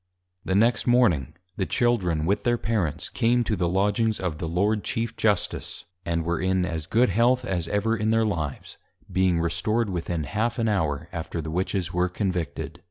The next Morning, the Children with their Parents, came to the Lodgings of the Lord Chief Justice, and were in as good health as ever in their Lives; being Restored within half an Hour after the Witches were Convicted.